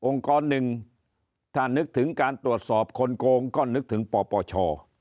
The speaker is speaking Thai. กรหนึ่งถ้านึกถึงการตรวจสอบคนโกงก็นึกถึงปปช